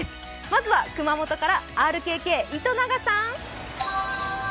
まずは、熊本からＲＫＫ、糸永さん。